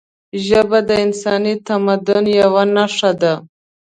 ژبه د انساني تمدن یوه نښه ده